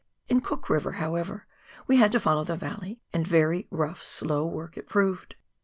In Cook River, how ever, we had to follow the valley, and very rough, slow work it proved.